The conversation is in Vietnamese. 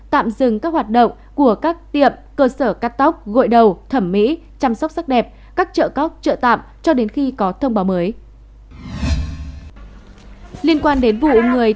tạm dừng các hoạt động của các tiệm cơ sở cắt tóc gội đầu thẩm mỹ chăm sóc sắc đẹp các chợ cóc chợ tạm cho đến khi có thông báo mới